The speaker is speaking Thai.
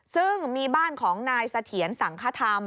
ซึ่งมีบ้านของนายเสถียรสังคธรรม